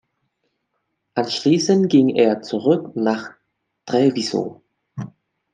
Anschließend ging er zurück nach Treviso.